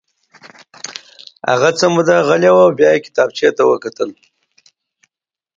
هغه څه موده غلی و او بیا یې کتابچې ته وکتل